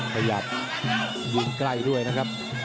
ขยับยิงใกล้ด้วยนะครับ